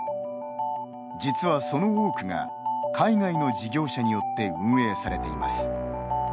実は、その多くが海外の事業者によって運営されています。